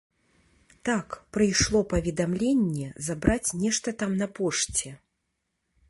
Так, прыйшло паведамленне забраць нешта там на пошце.